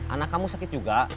anak kamu sakit juga